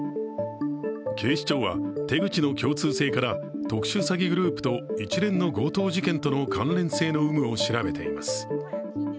警視庁は手口の共通性から特殊詐欺グループと一連の強盗事件との関連性の有無を調べています。